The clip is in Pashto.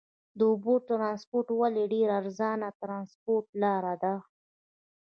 د اوبو ترانسپورت ولې ډېره ارزانه ترانسپورت لار ده؟